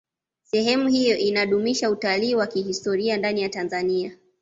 sehemu hiyo inadumisha utalii wa kihistoria ndani ya tanzania